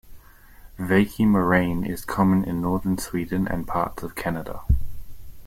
Veiki moraine is common in northern Sweden and parts of Canada.